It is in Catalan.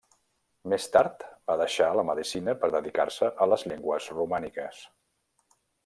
Més tard, va deixar la medicina per dedicar-se a les llengües romàniques.